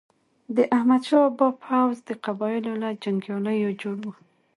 د احمد شاه بابا پوځ د قبایلو له جنګیالیو جوړ و.